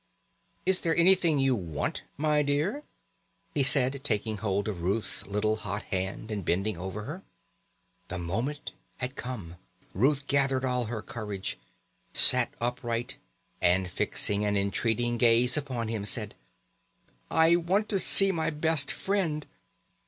Is there anything you want, my dear?" he said, taking hold of Ruth's little hot hand and bending over her. The moment had come. Ruth gathered all her courage, sat upright, and fixing an entreating gaze upon him said: "I want to see my best friend."